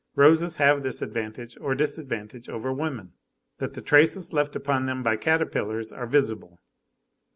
Roses have this advantage or disadvantage over women, that the traces left upon them by caterpillars are visible.